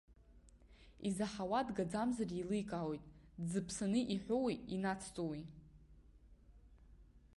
Изаҳауа дгаӡамзар, еиликаауеит, дзыԥсаны иҳәоуи инацҵоуи.